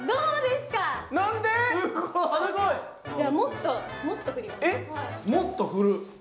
すごい！じゃもっともっと振ります。